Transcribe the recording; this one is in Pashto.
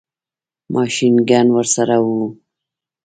ماشین ګن ورسره وو.